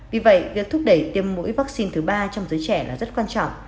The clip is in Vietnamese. vì vậy việc thúc đẩy tiêm mũi vaccine thứ ba trong giới trẻ là rất quan trọng